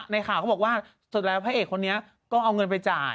ในข่าวเขาบอกว่าสุดแล้วพระเอกคนนี้ก็เอาเงินไปจ่าย